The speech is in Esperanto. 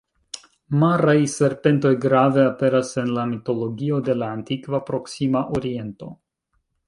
Maraj serpentoj grave aperas en la mitologio de la Antikva Proksima Oriento.